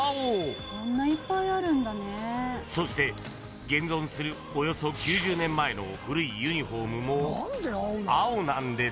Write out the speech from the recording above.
［そして現存するおよそ９０年前の古いユニホームも青なんです］